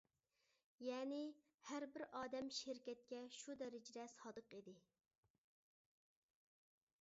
يەنى، ھەر بىر ئادەم شىركەتكە شۇ دەرىجىدە سادىق ئىدى.